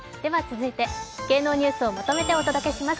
芸能ニュースをまとめてお伝えします